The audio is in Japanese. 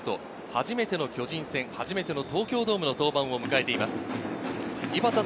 初めての巨人戦、初めての東京ドームの登板を迎えています。